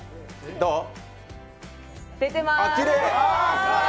出てます。